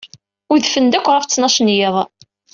Udfen-d akk ɣef ttnac n yiḍ.